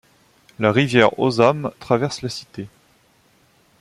La rivière Osam traverse la cité.